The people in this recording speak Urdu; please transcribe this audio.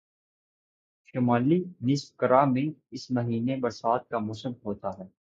شمالی نصف کرہ میں اس مہینے میں برسات کا موسم ہوتا ہے